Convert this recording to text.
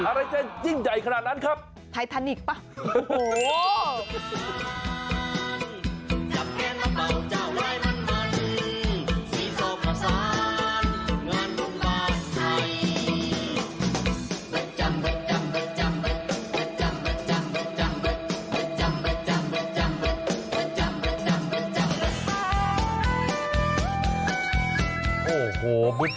อะไรจะยิ่งใหญ่ขนาดนั้นครับไททานิกป่ะ